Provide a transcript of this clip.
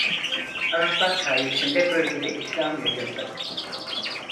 Araplar sayesinde bölgede İslam yayıldı.